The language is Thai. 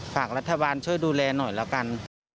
ฝากรัฐบาลช่วยดูแลหน่อยแล้วกัน